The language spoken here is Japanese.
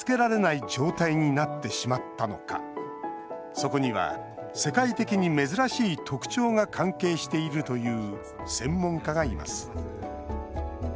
そこには、世界的に珍しい特徴が関係しているという専門家がいます。